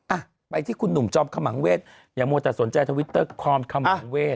อ่ะไปที่คุณหนุ่มจอมขมังเวทอย่ามัวแต่สนใจทวิตเตอร์คอมขมังเวท